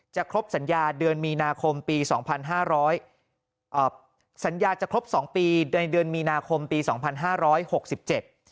ครบสัญญาเดือนมีนาคมปีสองพันห้าร้อยเอ่อสัญญาจะครบสองปีในเดือนมีนาคมปีสองพันห้าร้อยหกสิบเจ็ด